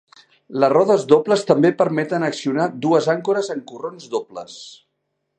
Les rodes dobles també permeten accionar dues àncores en corrons dobles.